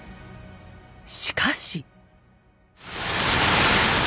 しかし。